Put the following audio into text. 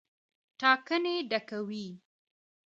ټانکۍ ډکوي.